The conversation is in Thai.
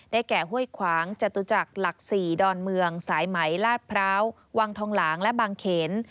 แก่ห้วยขวางจตุจักรหลัก๔ดอนเมืองสายไหมลาดพร้าววังทองหลางและบางเขน